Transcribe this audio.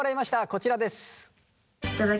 こちらです。